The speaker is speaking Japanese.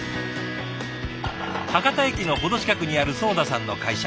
博多駅の程近くにある囿田さんの会社。